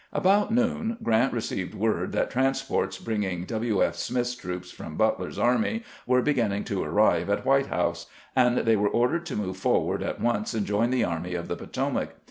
About noon Grrant received word that transports bringing W. F. Smith's troops from Butler's army were beginning to arrive at White House; and they were ordered to move forward at once, and join the Army of the Potomac.